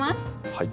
はい。